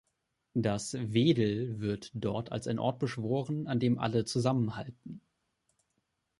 Das Veedel wird dort als ein Ort beschworen, an dem alle zusammenhalten.